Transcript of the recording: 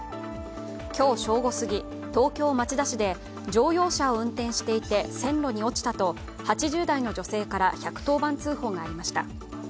今日、正午過ぎ東京・町田市で乗用車を運転していて線路に落ちたと８０代の女性から１１０番通報がありました。